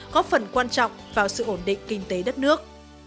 góp phần quan trọng vào sự ổn định kinh tế đất nước